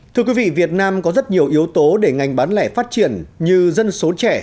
thưa quý vị việt nam có rất nhiều yếu tố để ngành bán lẻ phát triển như dân số trẻ